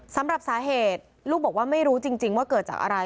สำหรับสาเหตุลูกบอกว่าไม่รู้จริงว่าเกิดจากอะไร